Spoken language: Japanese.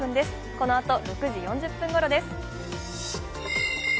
このあと６時４０分ごろです。